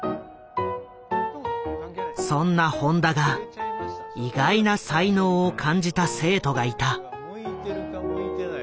そんな本多が意外な才能を感じた生徒がいた。